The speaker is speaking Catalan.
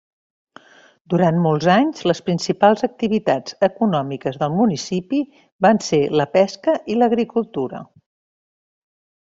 Durant molts anys les principals activitats econòmiques del municipi van ser la pesca i l'agricultura.